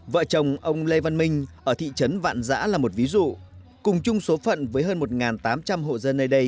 vợ chồng ông lê văn minh ở thị trấn vạn giã là một ví dụ cùng chung số phận với hơn một tám trăm linh hộ dân nơi đây